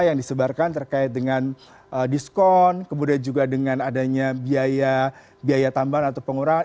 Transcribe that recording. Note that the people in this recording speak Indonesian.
yang disebarkan terkait dengan diskon kemudian juga dengan adanya biaya tambahan atau pengurangan